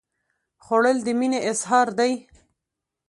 خوړل د مینې اظهار دی